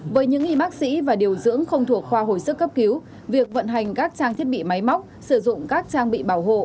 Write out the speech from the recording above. với những y bác sĩ và điều dưỡng không thuộc khoa hồi sức cấp cứu việc vận hành các trang thiết bị máy móc sử dụng các trang bị bảo hộ